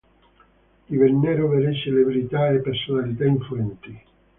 Divennero vere celebrità e personalità influenti.